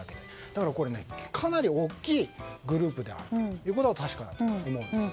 だから、かなり大きいグループであるということが確かだと思うんです。